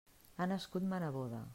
Ha nascut ma neboda.